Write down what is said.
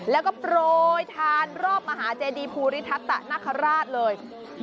แล้วโปรดธานรอบมหาแจดีภูริทัศน์ตะนัครราชเลย